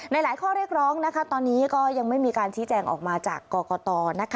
หลายข้อเรียกร้องตอนนี้ก็ยังไม่มีการชี้แจงออกมาจากกรกต